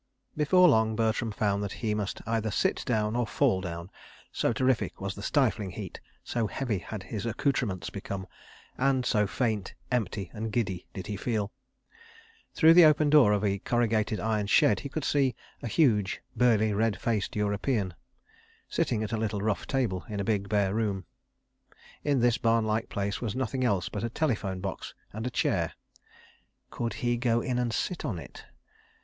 ... Before long, Bertram found that he must either sit down or fall down, so terrific was the stifling heat, so heavy had his accoutrements become, and so faint, empty and giddy did he feel. Through the open door of a corrugated iron shed he could see a huge, burly, red faced European, sitting at a little rough table in a big bare room. In this barn like place was nothing else but a telephone box and a chair. Could he go in and sit on it?